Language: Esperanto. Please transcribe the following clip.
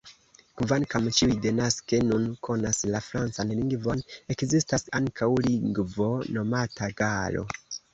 Kvankam ĉiuj denaske nun konas la francan lingvon, ekzistas ankaŭ lingvo nomata "galo".